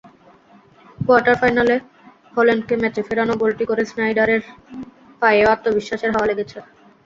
Quarter ফাইনালে হল্যান্ডকে ম্যাচে ফেরানো গোলটি করে স্নাইডারের পায়েও আত্মবিশ্বাসের হাওয়া লেগেছে।